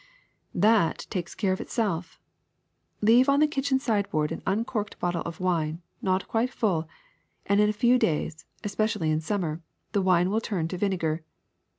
^^That takes care of itself. Leave on the kitchen sideboard an uncorked bottle of wine, not quite full, and in a few days, especially in summer, the wine will turn to vinegar.